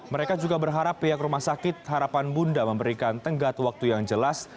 mereka juga berharap pihak rumah sakit harapan bunda memberikan tenggat waktu yang jelas